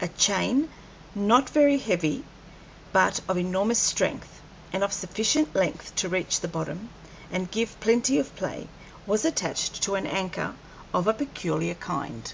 A chain, not very heavy but of enormous strength, and of sufficient length to reach the bottom and give plenty of play, was attached to an anchor of a peculiar kind.